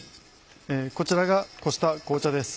こちらがこした紅茶です。